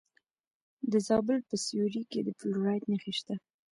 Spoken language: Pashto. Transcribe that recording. د زابل په سیوري کې د فلورایټ نښې شته.